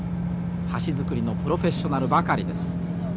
橋造りのプロフェッショナルばかりです。